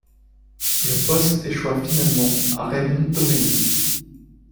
Le poste échoie finalement à Raymond Domenech.